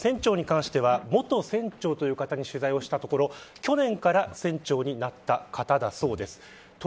元船長という方に取材したところ去年から船長になった方だそうです。